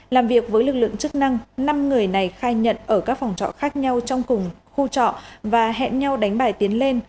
làm việc với lực lượng chức năng năm người này khai nhận ở các phòng trọ khác nhau trong cùng khu trọ và hẹn nhau đánh bài tiến lên